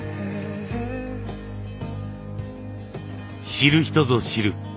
知る人ぞ知る